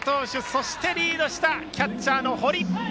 そして、リードしたキャッチャーの堀。